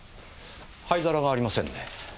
灰皿がありませんね。